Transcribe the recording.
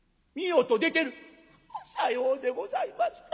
「さようでございますか。